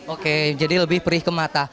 oke jadi lebih perih ke mata